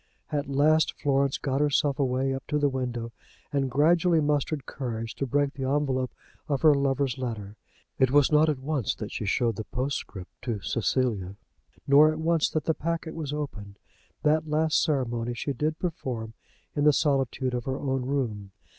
At last Florence got herself away up to the window, and gradually mustered courage to break the envelope of her lover's letter. It was not at once that she showed the postscript to Cecilia, nor at once that the packet was opened. That last ceremony she did perform in the solitude of her own room.